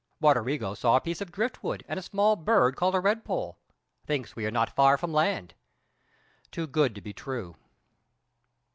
Roderigo saw a piece of driftwood and a small bird called a red poll. Thinks we are not far from land. Too good to be true.